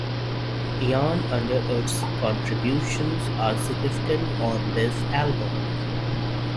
Ian Underwood's contributions are significant on this album.